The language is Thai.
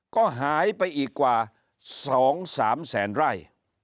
ก็หายไปอีกกว่า๒๓แสนไร่